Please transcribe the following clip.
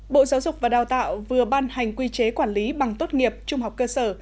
bộ giáo dục và đào tạo vừa ban hành quy chế quản lý bằng tốt nghiệp trung học cơ sở